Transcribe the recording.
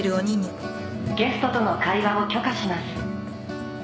「ゲストとの会話を許可します」